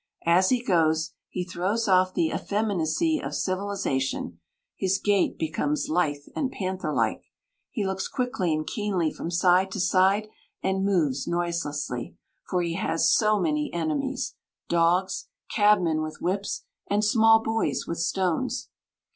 As he goes, he throws off the effeminacy of civilisation; his gait becomes lithe and pantherlike; he looks quickly and keenly from side to side, and moves noiselessly, for he has so many enemies dogs, cabmen with whips, and small boys with stones.